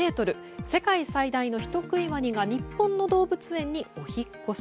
世界最大の人食いワニが日本の動物園にお引っ越し。